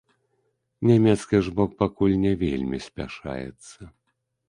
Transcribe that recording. Нямецкі ж бок пакуль не вельмі спяшаецца.